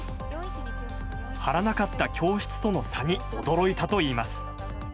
貼らなかった教室との差に驚いたといいます。